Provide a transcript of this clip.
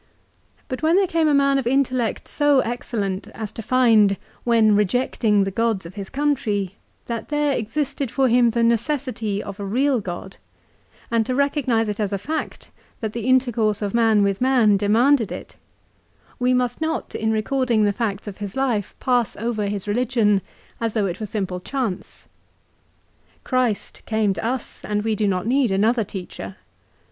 But when there came a man of intellect so excellent as to find, when rejecting the gods of his country, that there existed for him the necessity of a real God, and to recognise it as a fact that the intercourse of man with man demanded it, we must not in recording the facts of his life, pass over his religion as though it were simple chance. Christ came to us, and we do not need another teacher.